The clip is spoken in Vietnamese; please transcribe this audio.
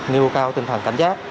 nêu cao tinh thần cảnh giác